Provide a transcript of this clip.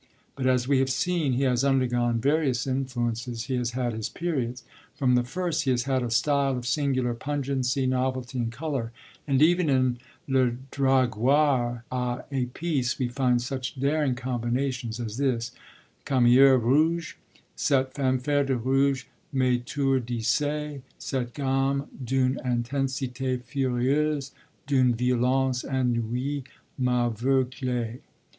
_ But, as we have seen, he has undergone various influences, he has had his periods. From the first he has had a style of singular pungency, novelty, and colour; and, even in Le Drageoir à Epices, we find such daring combinations as this (Camaïeu Rouge) _Cette fanfare de rouge m'étourdissait; cette gamme d'une intensité furieuse, d'une violence inouïe, m'aveuglait.